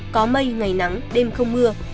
có mây ngày nắng đêm không mưa